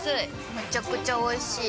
めちゃくちゃおいしい。